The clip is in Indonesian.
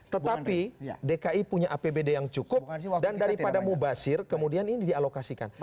tetapi dki punya apbd yang cukup dan daripada mubasir kemudian ini dialokasikan